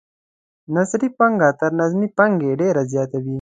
نثري پانګه تر نظمي پانګې ډیره زیاته وي.